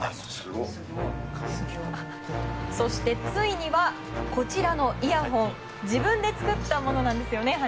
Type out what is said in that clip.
そして、ついにはこちらのイヤホン自分で作ったものなんですよね。